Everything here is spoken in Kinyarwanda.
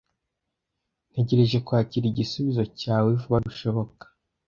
Ntegereje kwakira igisubizo cyawe vuba bishoboka.